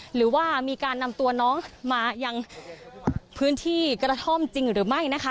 หรือว่ามีการนำตัวน้องมายังพื้นที่กระท่อมจริงหรือไม่นะคะ